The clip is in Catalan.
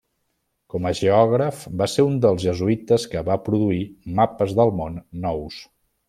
Com a geògraf va ser un dels jesuïtes que va produir mapes del món nous.